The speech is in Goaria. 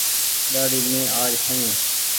ڏآڙي مين آج ٺآيون ۔